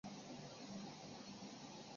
酸可分为无机酸和有机酸两种。